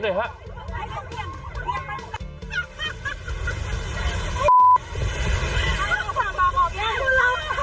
นี่ปาก